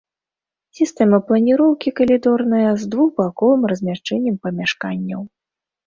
Сістэма планіроўкі калідорная, з двухбаковым размяшчэннем памяшканняў.